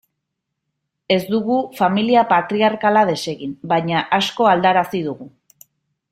Ez dugu familia patriarkala desegin, baina asko aldarazi dugu.